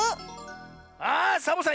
あサボさん